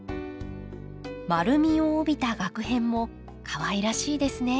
丸みを帯びたがく片もかわいらしいですね。